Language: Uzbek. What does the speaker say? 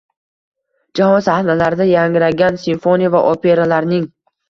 Jahon sahnalarida yangragan simfoniya va operalarning